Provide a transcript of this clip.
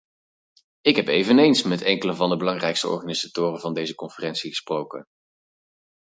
Ik heb eveneens met enkele van de belangrijkste organisatoren van deze conferentie gesproken.